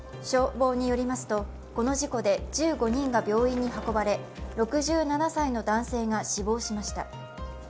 消防によりますとこの事故で１５人が病院に運ばれ６７歳の男性が死亡しました。